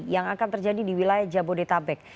yang akan terjadi di wilayah jabodetabek